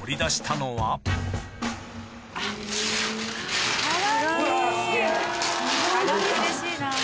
取り出したのは鏡！